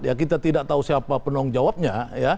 ya kita tidak tahu siapa penanggung jawabnya